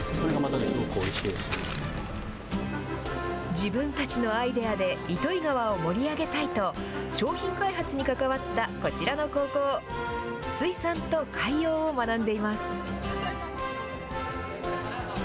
自分たちのアイデアで糸魚川を盛り上げたいと、商品開発に関わったこちらの高校、水産と海洋を学んでいます。